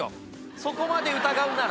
そこまで疑うなら。